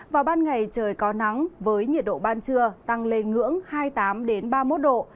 vào ban ngày trời có nắng với nhiệt độ ban trưa tăng lên ngưỡng hai mươi tám ba mươi một độ